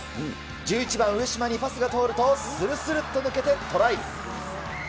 １１番上嶋にパスが通ると、するするっと抜けてトライ。